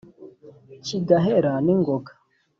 kigahera n'ingoga,